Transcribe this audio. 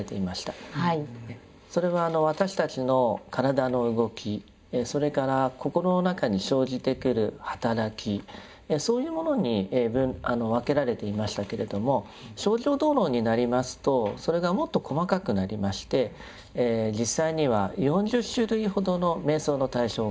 それは私たちの体の動きそれから心の中に生じてくる働きそういうものに分けられていましたけれども「清浄道論」になりますとそれがもっと細かくなりまして実際には４０種類ほどの瞑想の対象が出てまいります。